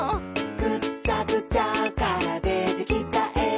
「ぐっちゃぐちゃからでてきたえ」